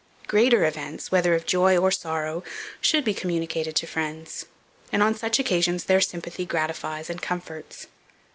Greater events, whether of joy or sorrow, should be communicated to friends; and, on such occasions, their sympathy gratifies and comforts.